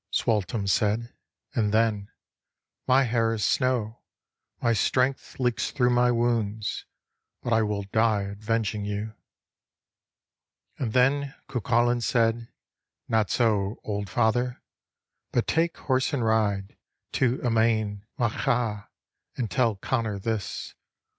Sualtem said, and then, " My hair is snow, My strength leaks thro' my wounds, but I will die r Avenging you." And then Cuculain said :" Not so, old father, but take horse and ride To Emain Macha, and tell Connor this."